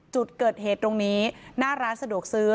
จุดเกิดเหตุตรงนี้หน้าร้านสะดวกซื้อ